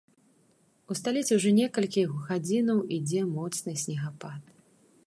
У сталіцы ўжо некалькі гадзінаў ідзе моцны снегапад.